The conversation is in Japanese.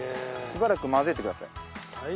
しばらく混ぜてください。